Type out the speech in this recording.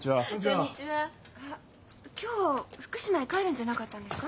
あっ今日福島へ帰るんじゃなかったんですか？